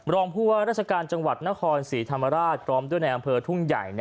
รองผู้ว่าราชการจังหวัดนครศรีธรรมราชพร้อมด้วยในอำเภอทุ่งใหญ่